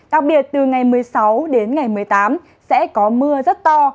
đặc biệt từ ngày một mươi sáu đến ngày một mươi tám sẽ có mưa rất to